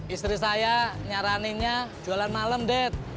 istri saya nyaraninnya jualan malem dad